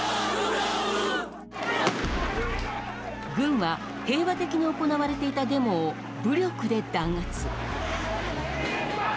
軍は、平和的に行われていたデモを武力で弾圧。